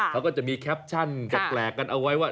เขาก็จะมีแคปชั่นแปลกกันเอาไว้ว่า